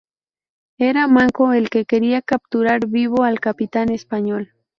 Era Manco el que quería capturar vivo al capitán español.